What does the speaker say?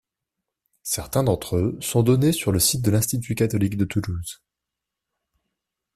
Certains d'entre eux sont donnés sur le site de l'Institut catholique de Toulouse.